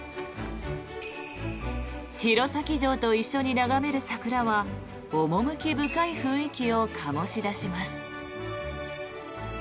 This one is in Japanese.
弘前城と一緒に眺める桜は趣深い雰囲気を醸し出します。